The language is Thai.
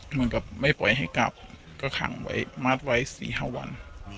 เหมือนกับไม่ปล่อยให้กลับก็ขังไว้มัดไว้๔๕วัน